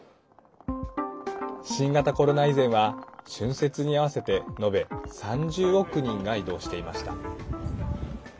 新型コロナ以前は春節に合わせて延べ３０億人が移動していました。